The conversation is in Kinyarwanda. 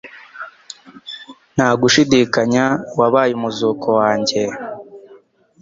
Nta gushidikanya Wabaye umuzuko wanjye